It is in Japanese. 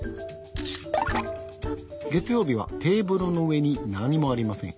月曜日はテーブルの上に何もありません。